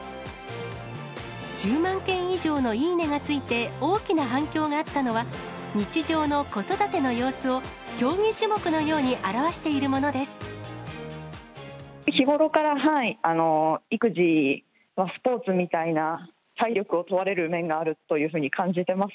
１０万件以上のいいねがついて大きな反響があったのは、日常の子育ての様子を競技種目のように表しているものです。